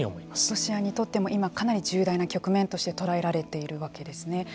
ロシアにとっても今かなり重大な局面として捉えられているわけですね。